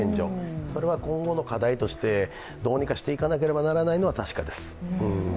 それは今後の課題としてどうにかしていかなければいけないのは確かです。